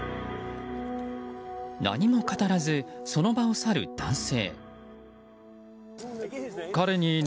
何も語らず、その場を去る男性。